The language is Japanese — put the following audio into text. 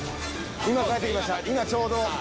今ちょうど。